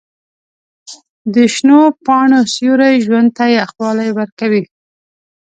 د شنو پاڼو سیوري ژوند ته یخوالی ورکوي.